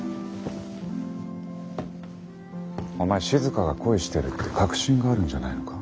お前しずかが恋してるって確信があるんじゃないのか？